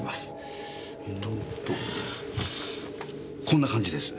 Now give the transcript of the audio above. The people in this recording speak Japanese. こんな感じです。